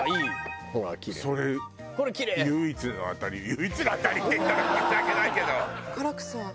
「唯一の当たり」って言ったら申し訳ないけど。